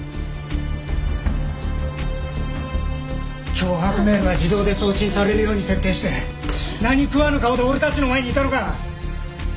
脅迫メールは自動で送信されるように設定して何食わぬ顔で俺たちの前にいたのか！